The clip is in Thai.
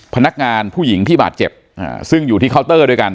พนักงานผู้หญิงที่บาดเจ็บซึ่งอยู่ที่เคาน์เตอร์ด้วยกัน